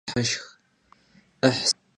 'ıhsıh 'ıheşşx.